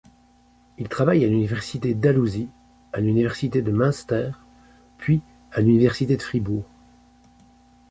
Il travaille à l’Université Dalhousie, à l’Université de Münster puis à l’Université de Fribourg.